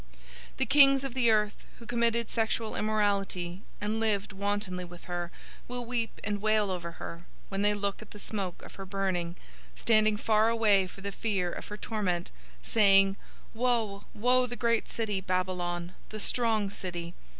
018:009 The kings of the earth, who committed sexual immorality and lived wantonly with her, will weep and wail over her, when they look at the smoke of her burning, 018:010 standing far away for the fear of her torment, saying, 'Woe, woe, the great city, Babylon, the strong city!